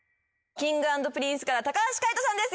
Ｋｉｎｇ＆Ｐｒｉｎｃｅから橋海人さんです。